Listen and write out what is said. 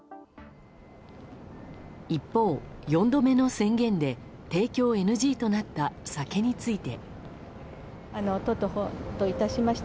一方、４度目の宣言で提供ＮＧとなった酒について。